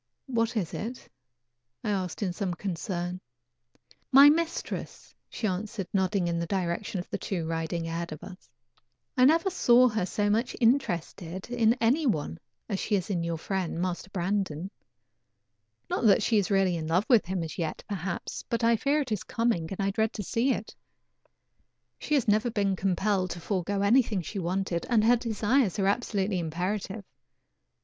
"What is it?" I asked in some concern. "My mistress," she answered, nodding in the direction of the two riding ahead of us. "I never saw her so much interested in any one as she is in your friend, Master Brandon. Not that she is really in love with him as yet perhaps, but I fear it is coming and I dread to see it. She has never been compelled to forego anything she wanted, and her desires are absolutely imperative.